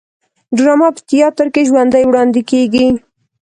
ډرامه په تیاتر کې ژوندی وړاندې کیږي